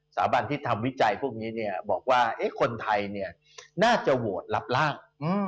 สาบันที่ทำวิจัยพวกนี้เนี่ยบอกว่าคนไทยเนี่ยน่าจะโหวตรับร่าง